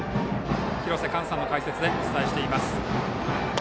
廣瀬寛さんの解説でお伝えしています。